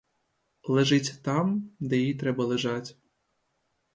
Лежить там, де їй треба лежать.